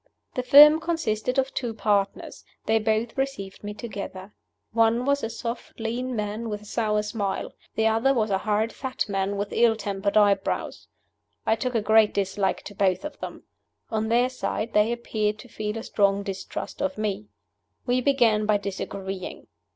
The firm consisted of two partners. They both received me together. One was a soft, lean man, with a sour smile. The other was a hard, fat man, with ill tempered eyebrows. I took a great dislike to both of them. On their side, they appeared to feel a strong distrust of me. We began by disagreeing.